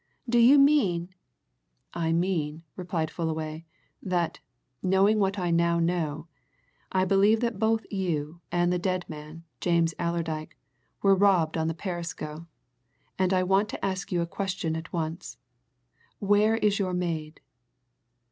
"Do you mean " "I mean," replied Fullaway, "that, knowing what I now know, I believe that both you and the dead man, James Allerdyke, were robbed on the Perisco. And I want to ask you a question at once. Where is your maid!"